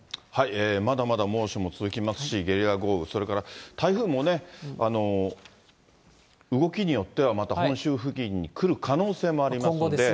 まだまだ猛暑も続きますし、ゲリラ豪雨、それから台風もね、動きによっては、また本州付近に来る可能性もありますんで。